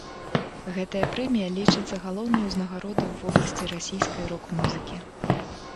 Гэтая прэмія лічыцца галоўнай узнагародай у вобласці расійскай рок-музыкі.